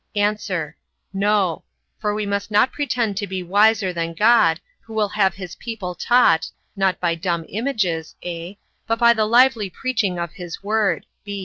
A. No: for we must not pretend to be wiser than God, who will have his people taught, not by dumb images, (a) but by the lively preaching of his word.